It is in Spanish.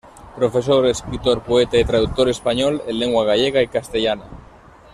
Profesor, escritor, poeta y traductor español en lengua gallega y castellana.